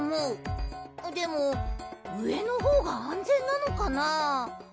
でもうえのほうがあんぜんなのかな？